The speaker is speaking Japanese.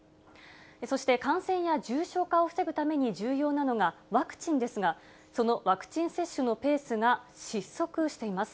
そして、感染や重症化を防ぐために重要なのがワクチンですが、そのワクチン接種のペースが失速しています。